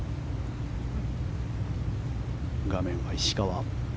画面は石川。